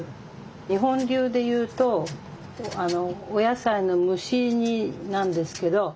日本流で言うとお野菜の蒸し煮なんですけど。